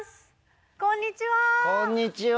こんにちは。